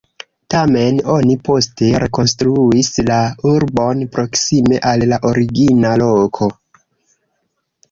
Tamen oni poste rekonstruis la urbon proksime al la origina loko.